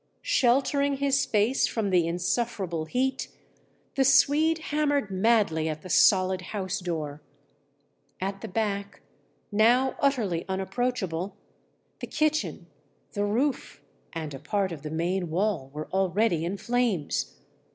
"Sheltering his face from the insufferable heat, the Swede hammered madly at the solid house door. At the back, now utterly unapproachable, the kitchen, the roof, and a part of the main wall were already in flames.